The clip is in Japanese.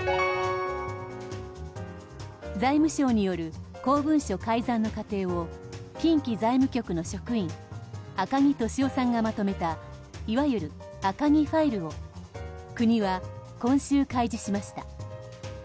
財務省による公文書改ざんの過程を近畿財務局の職員赤木俊夫さんがまとめたいわゆる赤木ファイルを国は今週開示しました。